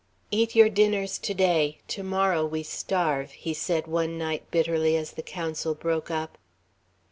"Eat your dinners to day, to morrow we starve," he said one night, bitterly, as the council broke up.